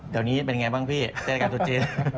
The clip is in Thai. เดี๋ยวนี้เป็นไงบ้างพี่เสร็จการณ์สุชชีน